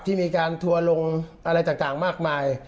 ที่มีการทัวร์ลงอะไรต่างมากมาย